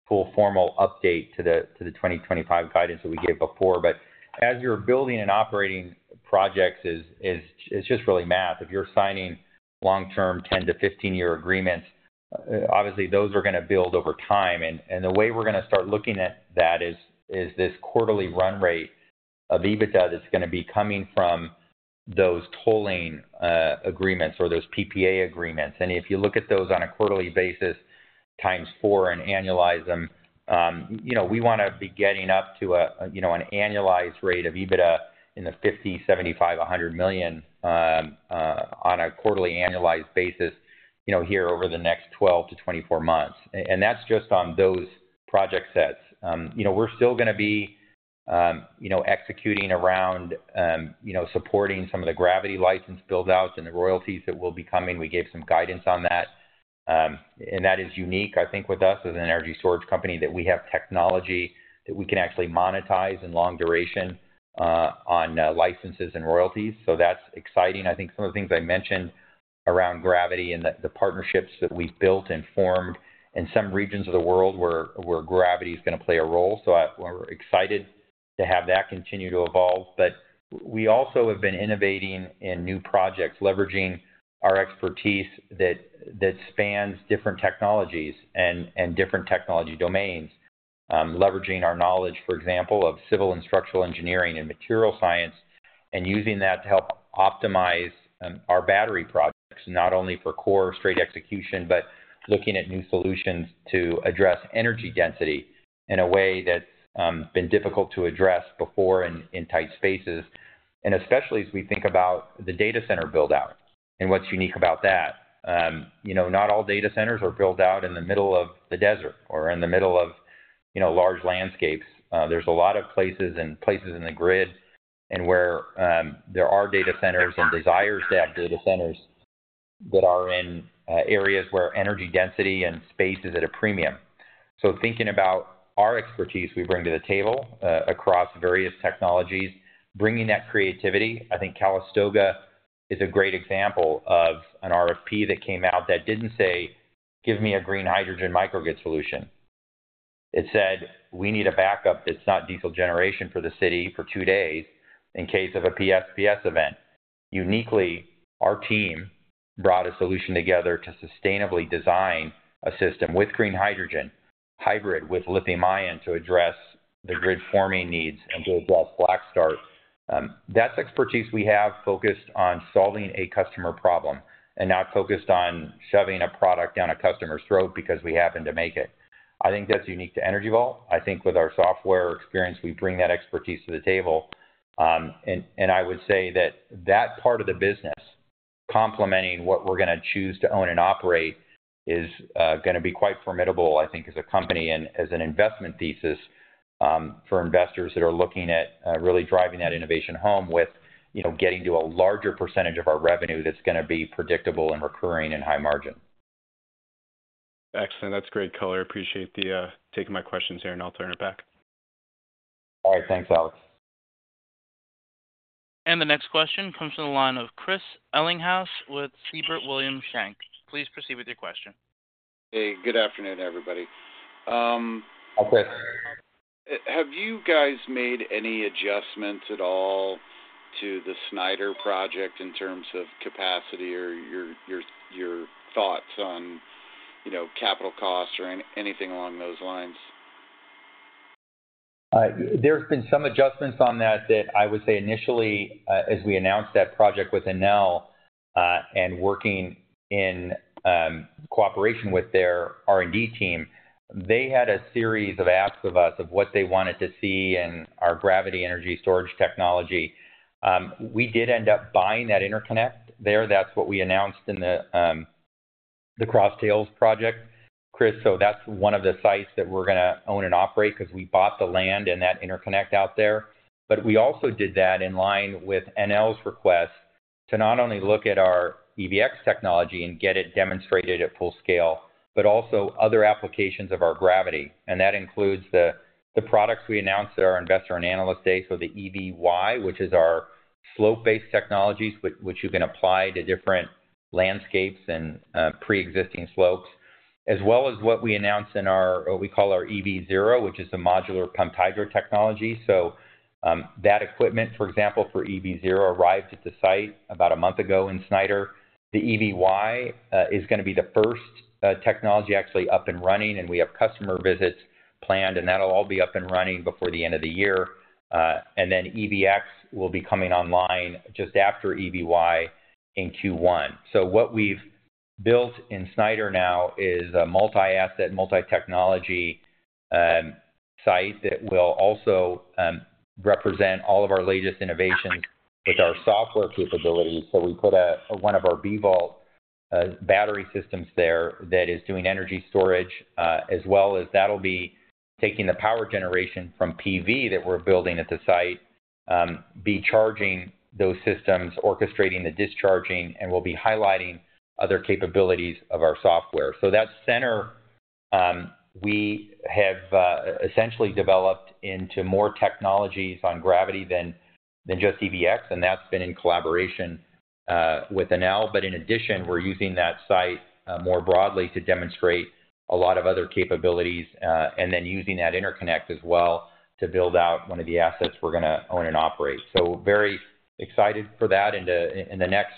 full formal update to the 2025 guidance that we gave before. But as you're building and operating projects, it's just really math. If you're signing long-term 10- to 15-year agreements, obviously, those are going to build over time. And the way we're going to start looking at that is this quarterly run rate of EBITDA that's going to be coming from those tolling agreements or those PPA agreements. And if you look at those on a quarterly basis times four and annualize them, we want to be getting up to an annualized rate of EBITDA in the $50 million, $75 million, $100 million on a quarterly annualized basis here over the next 12 to 24 months. And that's just on those project sets. We're still going to be executing around supporting some of the gravity license buildouts and the royalties that will be coming. We gave some guidance on that, and that is unique, I think, with us as an energy storage company that we have technology that we can actually monetize in long duration on licenses and royalties, so that's exciting. I think some of the things I mentioned around gravity and the partnerships that we've built and formed in some regions of the world where gravity is going to play a role, so we're excited to have that continue to evolve. But we also have been innovating in new projects, leveraging our expertise that spans different technologies and different technology domains, leveraging our knowledge, for example, of civil and structural engineering and material science, and using that to help optimize our battery projects, not only for core straight execution, but looking at new solutions to address energy density in a way that's been difficult to address before in tight spaces, and especially as we think about the data center buildout and what's unique about that. Not all data centers are built out in the middle of the desert or in the middle of large landscapes. There's a lot of places and places in the grid and where there are data centers and desires to have data centers that are in areas where energy density and space is at a premium. So thinking about our expertise we bring to the table across various technologies, bringing that creativity. I think Calistoga is a great example of an RFP that came out that didn't say, "Give me a green hydrogen microgrid solution." It said, "We need a backup that's not diesel generation for the city for two days in case of a PSPS event." Uniquely, our team brought a solution together to sustainably design a system with green hydrogen, hybrid with lithium-ion to address the grid forming needs and to address black start. That's expertise we have focused on solving a customer problem and not focused on shoving a product down a customer's throat because we happen to make it. I think that's unique to Energy Vault. I think with our software experience, we bring that expertise to the table. I would say that that part of the business, complementing what we're going to choose to own and operate, is going to be quite formidable, I think, as a company and as an investment thesis for investors that are looking at really driving that innovation home with getting to a larger percentage of our revenue that's going to be predictable and recurring and high margin. Excellent. That's great, Color. Appreciate the taking my questions here, and I'll turn it back. All right. Thanks, Alec. The next question comes from the line of Chris Ellinghaus with Siebert Williams Shank. Please proceed with your question. Hey. Good afternoon, everybody. Hi, Chris. Have you guys made any adjustments at all to the Snyder project in terms of capacity or your thoughts on capital costs or anything along those lines? There's been some adjustments on that that I would say initially, as we announced that project with Enel and working in cooperation with their R&D team, they had a series of asks of us of what they wanted to see in our gravity energy storage technology. We did end up buying that interconnect there. That's what we announced in the Cross Trails project, Chris. So that's one of the sites that we're going to own and operate because we bought the land and that interconnect out there. But we also did that in line with Enel's request to not only look at our EVx technology and get it demonstrated at full scale, but also other applications of our gravity. And that includes the products we announced at our Investor and Analyst Day. So the EVy, which is our slope-based technologies, which you can apply to different landscapes and pre-existing slopes, as well as what we announced in our what we call our EV0, which is a modular pumped hydro technology. So that equipment, for example, for EV0 arrived at the site about a month ago in Snyder. The EVy is going to be the first technology actually up and running, and we have customer visits planned, and that'll all be up and running before the end of the year. And then EVx will be coming online just after EVy in Q1. So what we've built in Snyder now is a multi-asset, multi-technology site that will also represent all of our latest innovations with our software capabilities. So we put one of our B-VAULT battery systems there that is doing energy storage, as well as that'll be taking the power generation from PV that we're building at the site, be charging those systems, orchestrating the discharging, and we'll be highlighting other capabilities of our software. So that center we have essentially developed into more technologies on gravity than just EVx, and that's been in collaboration with Enel. But in addition, we're using that site more broadly to demonstrate a lot of other capabilities and then using that interconnect as well to build out one of the assets we're going to own and operate. So very excited for that. And in the next,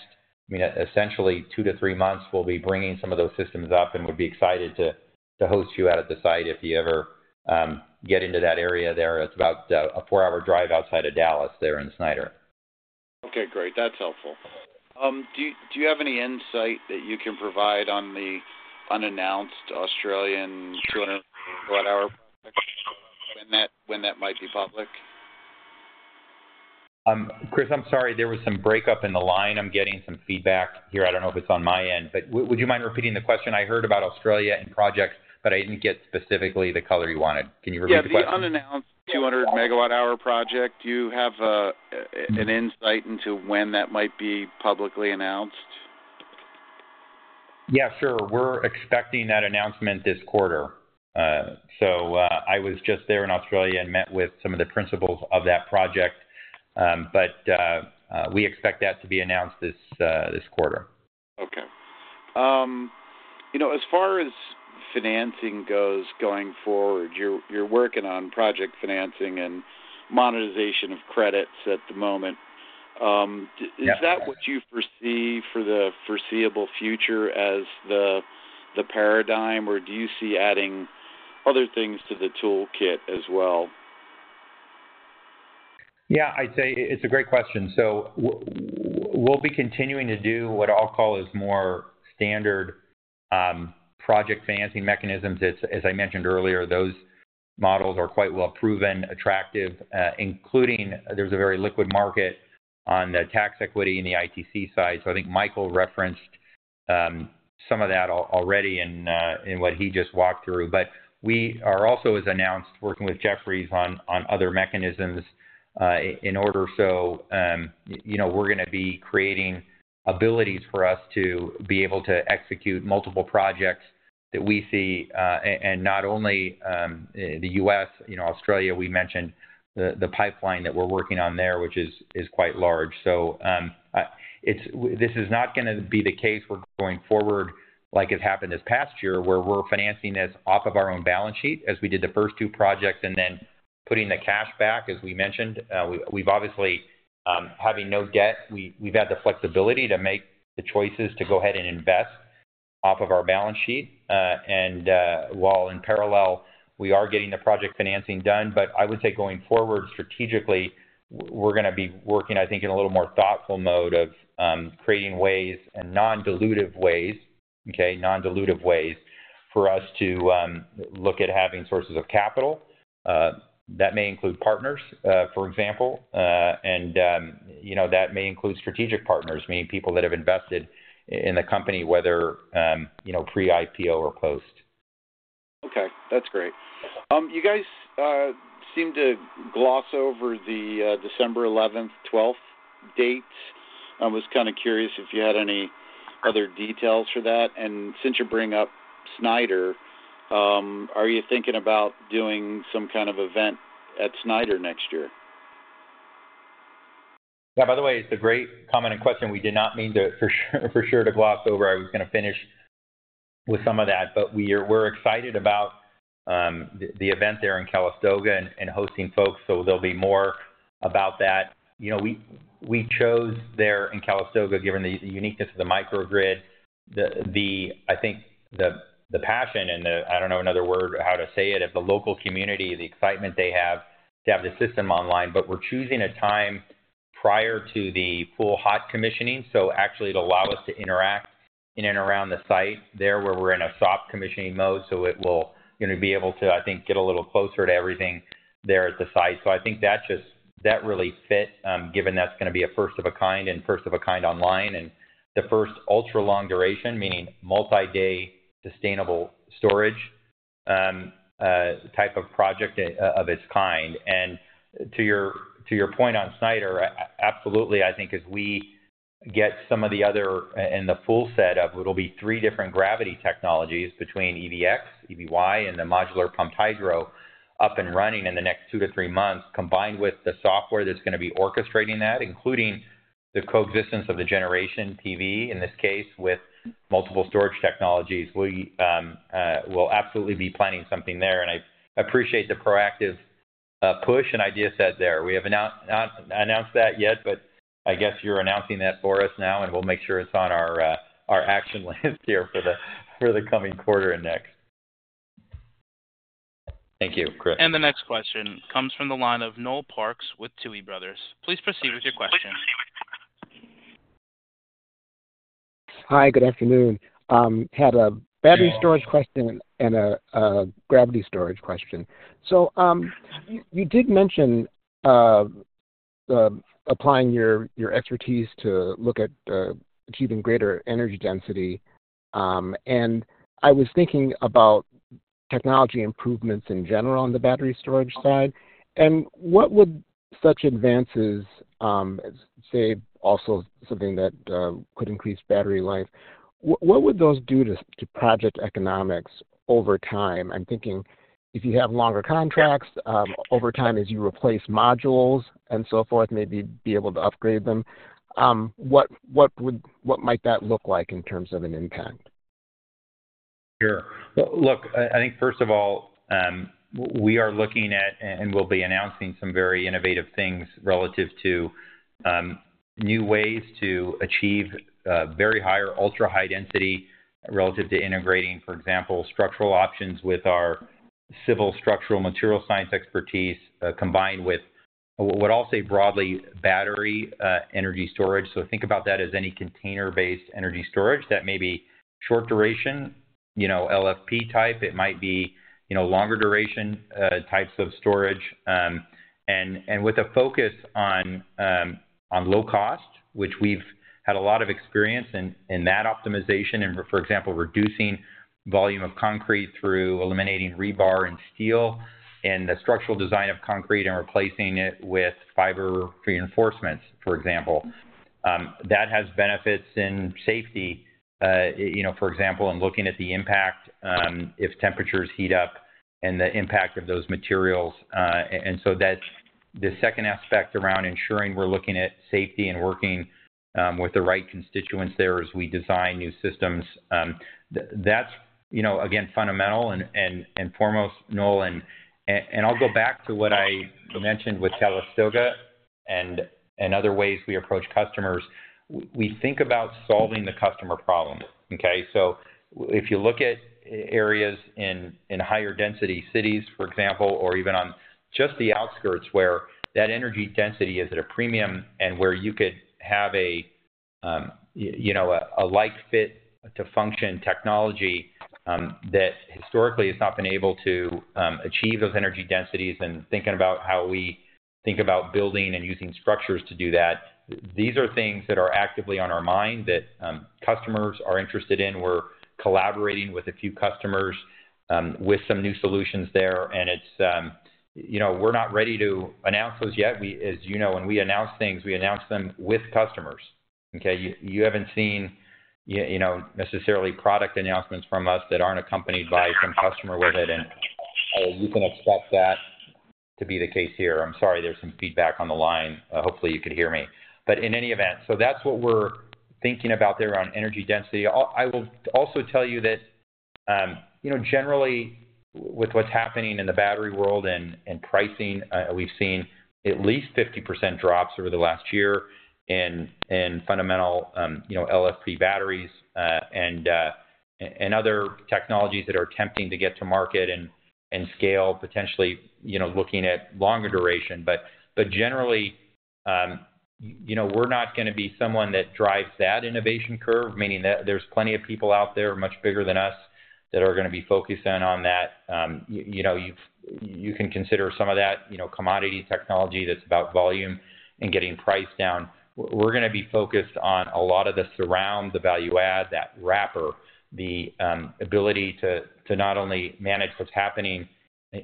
essentially, two-to-three months, we'll be bringing some of those systems up and would be excited to host you out at the site if you ever get into that area there. It's about a four-hour drive outside of Dallas there in Snyder. Okay. Great. That's helpful. Do you have any insight that you can provide on the unannounced Australian 200 MWh project when that might be public? Chris, I'm sorry. There was some breakup in the line. I'm getting some feedback here. I don't know if it's on my end, but would you mind repeating the question? I heard about Australia and projects, but I didn't get specifically the color you wanted. Can you repeat the question? Yeah. The unannounced 200 MWh, do you have an insight into when that might be publicly announced? Yeah. Sure. We're expecting that announcement this quarter. So I was just there in Australia and met with some of the principals of that project, but we expect that to be announced this quarter. Okay. As far as financing goes going forward, you're working on project financing and monetization of credits at the moment. Is that what you foresee for the foreseeable future as the paradigm, or do you see adding other things to the toolkit as well? Yeah. I'd say it's a great question. So we'll be continuing to do what I'll call is more standard project financing mechanisms. As I mentioned earlier, those models are quite well proven, attractive, including there's a very liquid market on the tax equity and the ITC side. So I think Michael referenced some of that already in what he just walked through. But we are also, as announced, working with Jefferies on other mechanisms in order. So we're going to be creating abilities for us to be able to execute multiple projects that we see and not only the U.S. Australia, we mentioned the pipeline that we're working on there, which is quite large. This is not going to be the case going forward like it happened this past year where we're financing this off of our own balance sheet as we did the first two projects and then putting the cash back, as we mentioned. We've obviously, having no debt, we've had the flexibility to make the choices to go ahead and invest off of our balance sheet. While in parallel, we are getting the project financing done, but I would say going forward, strategically, we're going to be working, I think, in a little more thoughtful mode of creating ways and non-dilutive ways, okay, non-dilutive ways for us to look at having sources of capital. That may include partners, for example, and that may include strategic partners, meaning people that have invested in the company, whether pre-IPO or post. Okay. That's great. You guys seem to gloss over the December 11th, 12th dates. I was kind of curious if you had any other details for that. And since you're bringing up Snyder, are you thinking about doing some kind of event at Snyder next year? Yeah. By the way, it's a great comment and question. We did not mean to for sure to gloss over. I was going to finish with some of that, but we're excited about the event there in Calistoga and hosting folks. So there'll be more about that. We chose there in Calistoga, given the uniqueness of the microgrid, I think the passion and the, I don't know another word how to say it, of the local community, the excitement they have to have the system online. But we're choosing a time prior to the full hot commissioning. So actually, it'll allow us to interact in and around the site there where we're in a soft commissioning mode. So it will be able to, I think, get a little closer to everything there at the site. So I think that really fit, given that's going to be a first of a kind and first of a kind online and the first ultra-long duration, meaning multi-day sustainable storage type of project of its kind. And to your point on Snyder, absolutely, I think as we get some of the other in the full set of it'll be three different gravity technologies between EVx, EVy, and the modular pumped hydro up and running in the next two to three months, combined with the software that's going to be orchestrating that, including the coexistence of the generation PV, in this case, with multiple storage technologies. We'll absolutely be planning something there. And I appreciate the proactive push and ideas set there. We haven't announced that yet, but I guess you're announcing that for us now, and we'll make sure it's on our action list here for the coming quarter and next. Thank you, Chris. And the next question comes from the line of Noel Parks with Tuohy Brothers. Please proceed with your question. Hi. Good afternoon. Had a battery storage question and a gravity storage question. So you did mention applying your expertise to look at achieving greater energy density. And I was thinking about technology improvements in general on the battery storage side. And what would such advances, say, also something that could increase battery life, what would those do to project economics over time? I'm thinking if you have longer contracts, over time as you replace modules and so forth, maybe be able to upgrade them, what might that look like in terms of an impact? Sure. Well, look, I think first of all, we are looking at and we'll be announcing some very innovative things relative to new ways to achieve very higher ultra-high density relative to integrating, for example, structural options with our civil structural material science expertise combined with what I'll say broadly battery energy storage. So think about that as any container-based energy storage that may be short duration, LFP type. It might be longer duration types of storage. And with a focus on low cost, which we've had a lot of experience in that optimization and, for example, reducing volume of concrete through eliminating rebar and steel and the structural design of concrete and replacing it with fiber reinforcements, for example. That has benefits in safety, for example, in looking at the impact if temperatures heat up and the impact of those materials. The second aspect around ensuring we're looking at safety and working with the right constituents there as we design new systems, that's, again, fundamental and foremost, Noel. I'll go back to what I mentioned with Calistoga and other ways we approach customers. We think about solving the customer problem. Okay? If you look at areas in higher density cities, for example, or even on just the outskirts where that energy density is at a premium and where you could have a light-fit-to-function technology that historically has not been able to achieve those energy densities and thinking about how we think about building and using structures to do that, these are things that are actively on our mind that customers are interested in. We're collaborating with a few customers with some new solutions there. We're not ready to announce those yet. As you know, when we announce things, we announce them with customers. Okay? You haven't seen necessarily product announcements from us that aren't accompanied by some customer with it. And you can expect that to be the case here. I'm sorry. There's some feedback on the line. Hopefully, you could hear me. But in any event, so that's what we're thinking about there on energy density. I will also tell you that generally, with what's happening in the battery world and pricing, we've seen at least 50% drops over the last year in fundamental LFP batteries and other technologies that are attempting to get to market and scale, potentially looking at longer duration. But generally, we're not going to be someone that drives that innovation curve, meaning that there's plenty of people out there, much bigger than us, that are going to be focused in on that. You can consider some of that commodity technology that's about volume and getting priced down. We're going to be focused on a lot of the surround, the value-add, that wrapper, the ability to not only manage what's happening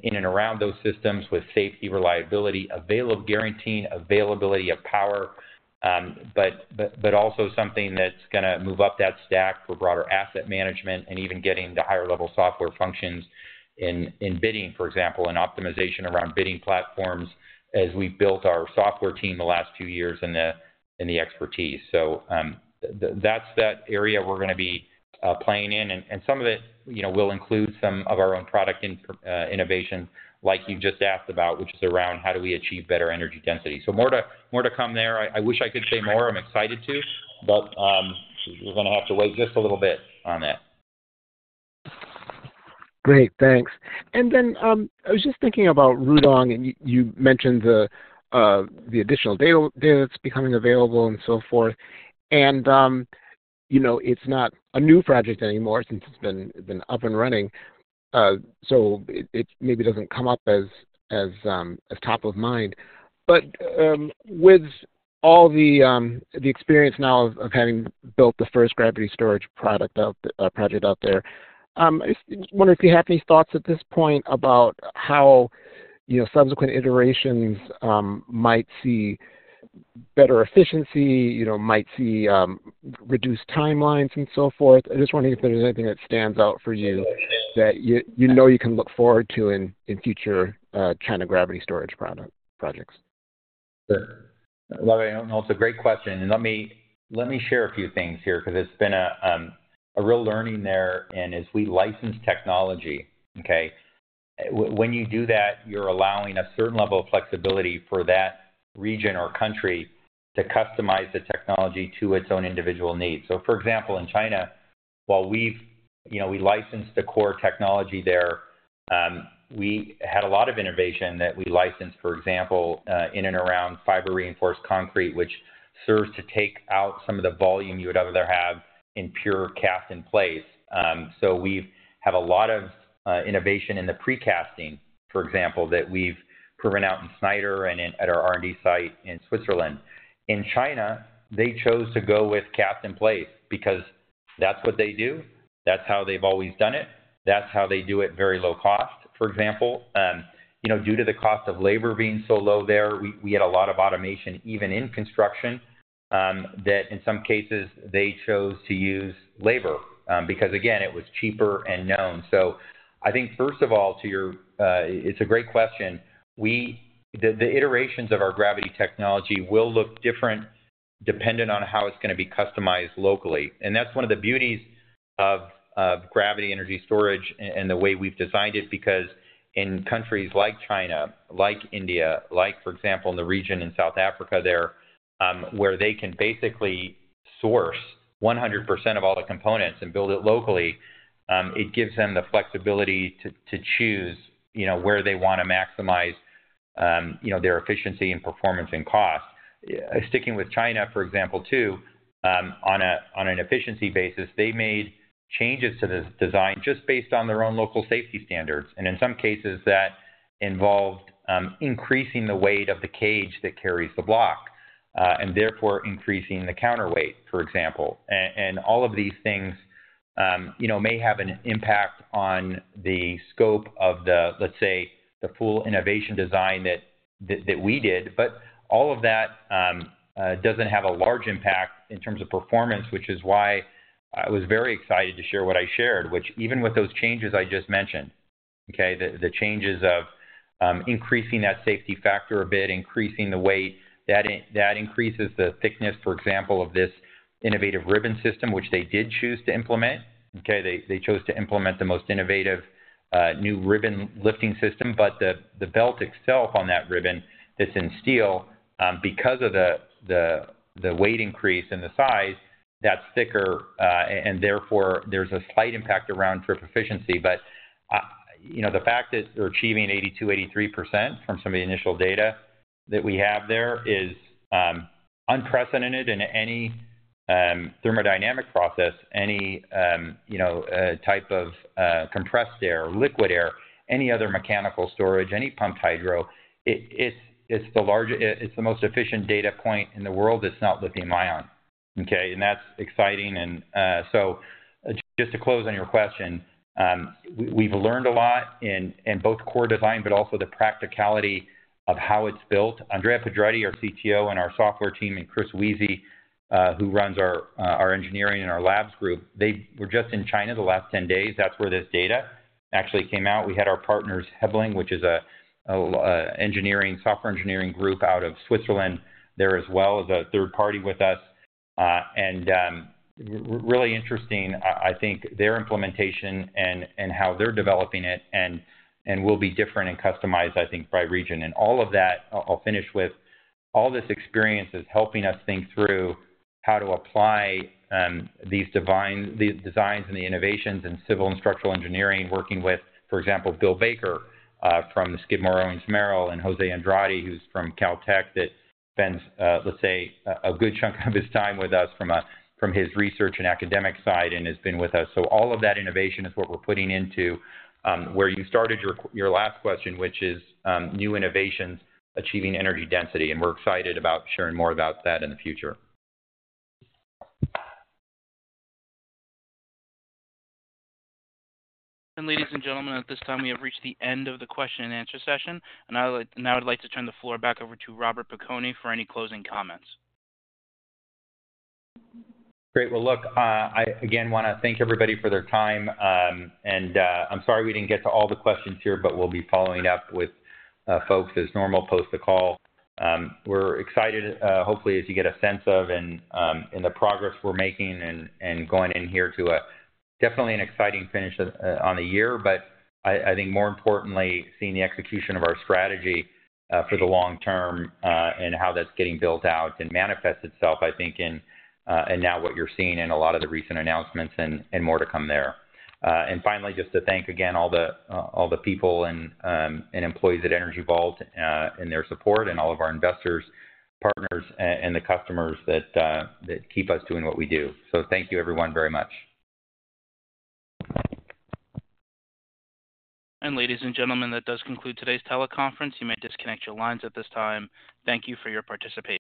in and around those systems with safety, reliability, guaranteeing availability of power, but also something that's going to move up that stack for broader asset management and even getting the higher-level software functions in bidding, for example, and optimization around bidding platforms as we've built our software team the last few years and the expertise. So that's that area we're going to be playing in. And some of it will include some of our own product innovations like you just asked about, which is around how do we achieve better energy density? So more to come there. I wish I could say more. I'm excited to, but we're going to have to wait just a little bit on that. Great. Thanks. And then I was just thinking about Rudong, and you mentioned the additional data that's becoming available and so forth. And it's not a new project anymore since it's been up and running, so it maybe doesn't come up as top of mind. But with all the experience now of having built the first gravity storage project out there, I just wonder if you have any thoughts at this point about how subsequent iterations might see better efficiency, might see reduced timelines and so forth. I just wonder if there's anything that stands out for you that you know you can look forward to in future China gravity storage projects. That's a great question. Let me share a few things here because it's been a real learning there. As we license technology, okay, when you do that, you're allowing a certain level of flexibility for that region or country to customize the technology to its own individual needs. For example, in China, while we licensed the core technology there, we had a lot of innovation that we licensed, for example, in and around fiber-reinforced concrete, which serves to take out some of the volume you would rather have in pure cast-in-place. We have a lot of innovation in the precasting, for example, that we've proven out in Snyder and at our R&D site in Switzerland. In China, they chose to go with cast-in-place because that's what they do. That's how they've always done it. That's how they do it very low cost, for example. Due to the cost of labor being so low there, we had a lot of automation even in construction that in some cases, they chose to use labor because, again, it was cheaper and known. So I think, first of all, to your question, it's a great question. The iterations of our gravity technology will look different dependent on how it's going to be customized locally. That's one of the beauties of gravity energy storage and the way we've designed it because in countries like China, like India, like, for example, in the region in South Africa there where they can basically source 100% of all the components and build it locally, it gives them the flexibility to choose where they want to maximize their efficiency and performance and cost. Sticking with China, for example, too, on an efficiency basis, they made changes to the design just based on their own local safety standards, and in some cases, that involved increasing the weight of the cage that carries the block and therefore increasing the counterweight, for example, and all of these things may have an impact on the scope of the, let's say, the full innovation design that we did, but all of that doesn't have a large impact in terms of performance, which is why I was very excited to share what I shared, which even with those changes I just mentioned, okay, the changes of increasing that safety factor a bit, increasing the weight, that increases the thickness, for example, of this innovative ribbon system, which they did choose to implement. Okay? They chose to implement the most innovative new ribbon lifting system, but the belt itself on that ribbon that's in steel, because of the weight increase and the size, that's thicker, and therefore, there's a slight impact around round trip efficiency. But the fact that we're achieving 82%-83% from some of the initial data that we have there is unprecedented in any thermodynamic process, any type of compressed air, liquid air, any other mechanical storage, any pumped hydro. It's the most efficient data point in the world. It's not lithium-ion. Okay? That's exciting, and so just to close on your question, we've learned a lot in both core design, but also the practicality of how it's built. Andrea Pedretti, our CTO, and our software team, and Chris Wiese, who runs our engineering and our labs group, they were just in China the last 10 days. That's where this data actually came out. We had our partners, Helbling, which is an engineering, software engineering group out of Switzerland there as well, is a third party with us. And really interesting, I think, their implementation and how they're developing it and will be different and customized, I think, by region. And all of that, I'll finish with, all this experience is helping us think through how to apply these designs and the innovations in civil and structural engineering, working with, for example, Bill Baker from Skidmore, Owings & Merrill and Jose Andrade, who's from Caltech, that spends, let's say, a good chunk of his time with us from his research and academic side and has been with us. So all of that innovation is what we're putting into where you started your last question, which is new innovations achieving energy density. We're excited about sharing more about that in the future. And ladies and gentlemen, at this time, we have reached the end of the question and answer session. And now I'd like to turn the floor back over to Robert Piconi for any closing comments. Great. Well, look, I again want to thank everybody for their time. And I'm sorry we didn't get to all the questions here, but we'll be following up with folks as normal post the call. We're excited, hopefully, as you get a sense of in the progress we're making and going in here to a definitely an exciting finish on the year. But I think more importantly, seeing the execution of our strategy for the long term and how that's getting built out and manifests itself, I think, in now what you're seeing in a lot of the recent announcements and more to come there. And finally, just to thank again all the people and employees at Energy Vault and their support and all of our investors, partners, and the customers that keep us doing what we do. So thank you, everyone, very much. Ladies and gentlemen, that does conclude today's teleconference. You may disconnect your lines at this time. Thank you for your participation.